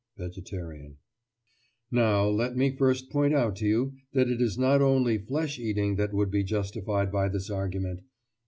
VEGETARIAN: Now, let me first point out to you that it is not only flesh eating that would be justified by this argument.